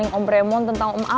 boleh bagaikan siang ter vampir nha